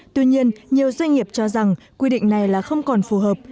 tuy nhiên nhiều doanh nghiệp cho rằng quy định này là không còn phù hợp